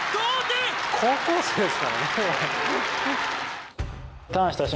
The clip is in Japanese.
高校生ですからね。